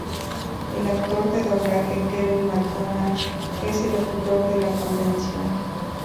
El actor de doblaje Kevin McDonald es el locutor de la convención.